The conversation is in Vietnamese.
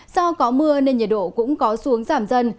do có mưa nên nhiệt độ cũng có xu hướng giảm dần